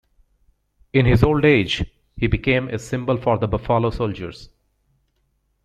In his old age, he became a symbol for the Buffalo Soldiers.